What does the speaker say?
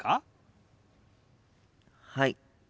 はい。